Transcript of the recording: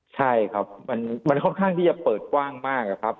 ใช่ครับมันค่อนข้างที่จะเปิดกว้างมากอะครับ